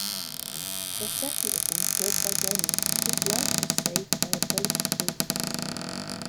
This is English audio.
Garcetti is then killed by Danny, whose life was saved by a bulletproof vest.